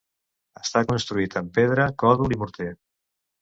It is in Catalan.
Està construït amb pedra, còdol i morter.